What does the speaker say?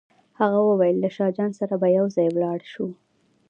هغه وویل له شاه جان سره به یو ځای ولاړ شو.